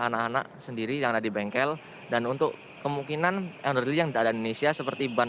anak anak sendiri yang ada di bengkel dan untuk kemungkinan energi yang ada di indonesia seperti ban